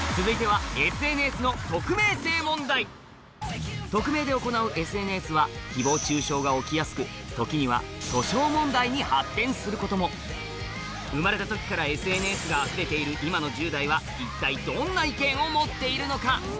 続いては匿名で行うＳＮＳは誹謗中傷が起きやすく時には訴訟問題に発展することも生まれた時からＳＮＳがあふれている今の１０代は一体どんな意見を持っているのか？